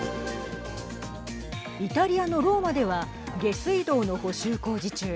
イタリアのローマでは下水道の補修工事中